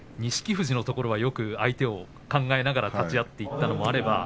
富士のところはよく相手を考えながら立ち合いにいったのもあれば。